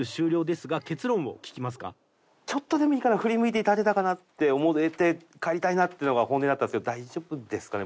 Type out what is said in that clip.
ちょっとでもいいから振り向いて頂けたかなって思えて帰りたいなっていうのが本音だったんですけど大丈夫ですかね？